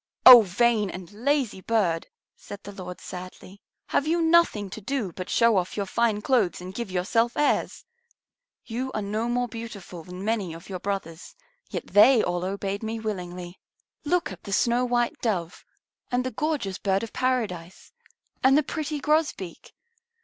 "Oh, vain and lazy bird!" said the Lord sadly. "Have you nothing to do but show off your fine clothes and give yourself airs? You are no more beautiful than many of your brothers, yet they all obeyed me willingly. Look at the snow white Dove, and the gorgeous Bird of Paradise, and the pretty Grosbeak.